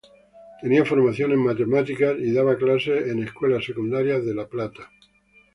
Tenía formación en matemáticas, y daba clases en escuelas secundarias de La Plata.